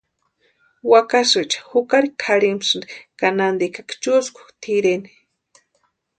Wakasïecha jukari kʼarhimasïnti ka nantikaksï chúskukʼa tʼireni.